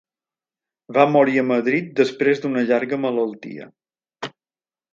Va morir a Madrid després d'una llarga malaltia.